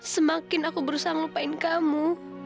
semakin aku berusaha melupain kamu